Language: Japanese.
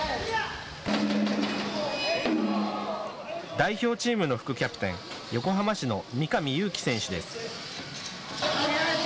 代表チームの副キャプテン、横浜市の三上勇輝選手です。